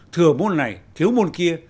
thừa môn này thiếu môn kia